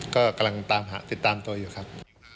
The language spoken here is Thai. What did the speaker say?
ก็กำลังตามหาติดตามตัวอยู่ครับ